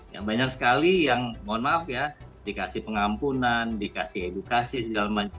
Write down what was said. ya banyak sekali yang mohon maaf ya dikasih pengampunan dikasih edukasi segala macam